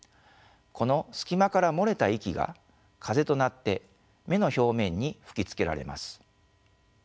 この隙間から漏れた息が風となって目の表面に吹きつけられます。